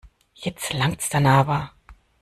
Jetzt langt's dann aber.